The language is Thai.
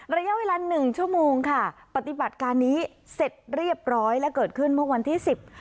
ระยะเวลาหนึ่งชั่วโมงค่ะปฏิบัติการนี้เสร็จเรียบร้อยและเกิดขึ้นเมื่อวันที่สิบ